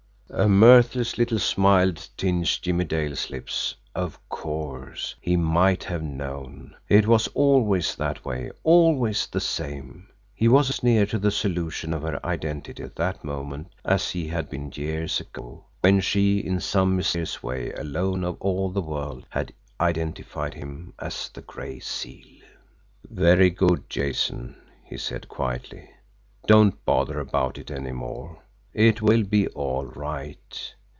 A mirthless little smile tinged Jimmie Dale's lips. Of course! He might have known! It was always that way, always the same. He was as near to the solution of her identity at that moment as he had been years ago, when she, in some mysterious way, alone of all the world, had identified him as the Gray Seal! "Very good, Jason," he said quietly. "Don't bother about it any more. It will be all right.